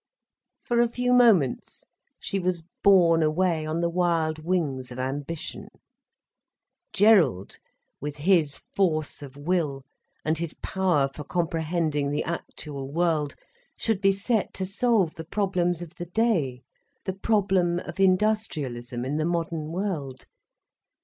For a few moments she was borne away on the wild wings of ambition. Gerald, with his force of will and his power for comprehending the actual world, should be set to solve the problems of the day, the problem of industrialism in the modern world.